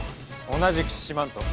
同じく四万十。